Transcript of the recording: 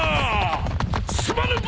すまぬブ！